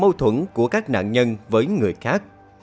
mâu thuẫn của các nạn nhân với người khác